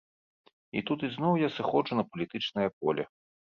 І тут ізноў я сыходжу на палітычнае поле.